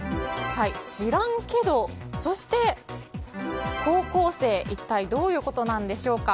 知らんけど、そして高校生一体どういうことでしょうか。